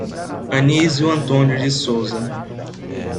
Anizio Antônio de Souza